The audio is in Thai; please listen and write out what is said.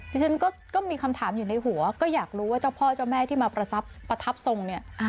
ฉันก็มีคำถามอยู่ในหัวก็อยากรู้ว่าเจ้าพ่อเจ้าแม่ที่มาประทับทรงเนี่ย